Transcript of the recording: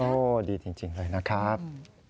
ดีจริงเลยนะครับ